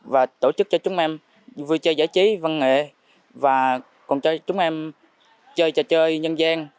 và tổ chức cho chúng em vui chơi giải trí văn nghệ và còn cho chúng em chơi trò chơi nhân gian